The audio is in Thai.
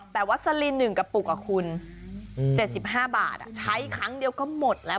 แต่วัสลิน๑กระปุกคุณ๗๕บาทใช้ครั้งเดียวก็หมดแล้ว